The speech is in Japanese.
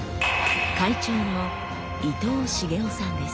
会長の伊藤繁男さんです。